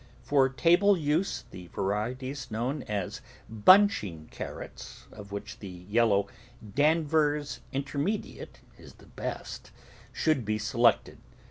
For table use, the varieties known as bunching carrots, of which the yellow Danvers In termediate is the best, should be selected.